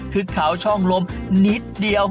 คือเขาช่องลมนิดเดียว